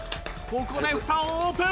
ここで蓋をオープン！